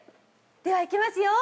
では、いきますよ。